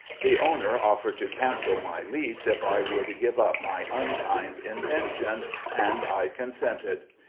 The owner offered to cancel my lease if I would give up my unkind intention, and I consented.